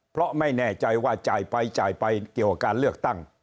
เพราะไม่แน่ใจว่าจ่ายไปจ่ายไปเกี่ยวกับการเลือกตั้ง